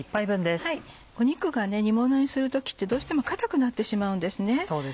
肉が煮ものにする時ってどうしても硬くなってしまうんです。